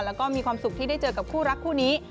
แล้วก็มีความสุขที่ได้เจอกับคู่รักคู่นี้